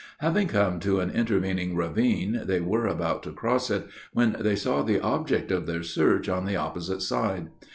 Having come to an intervening ravine, they were about to cross it, when they saw the object of their search on the opposite side.